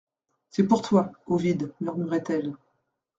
C'est pour toi, Ovide, murmurait-elle.